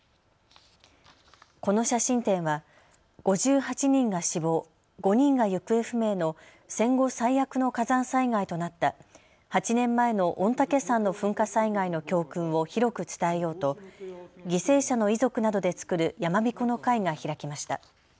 この写真展は５８人が死亡、５人が行方不明の戦後、最悪の火山災害となった８年前の御嶽山の噴火災害の教訓を広く伝えようと犠牲者の遺族などで作る山びこの会が開きました。